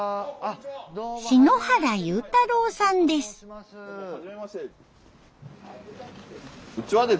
篠原祐太郎さんです。